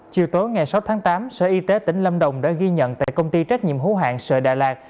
chiều tối ngày sáu tháng tám sở y tế tỉnh lâm đồng đã ghi nhận tại công ty trách nhiệm hữu hạng sợi đà lạt